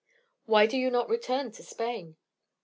"Why do you not return to Spain?"